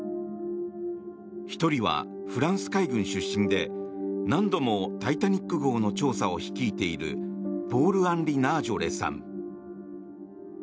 １人はフランス海軍出身で何度も「タイタニック号」の調査を率いているポール・アンリ・ナージョレさん。